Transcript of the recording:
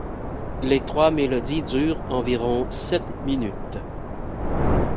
Les trois mélodies durent environ sept minutes.